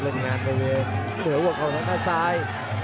เล่นงานไปเวย์เดือนหัวของข้างหน้าซ้าย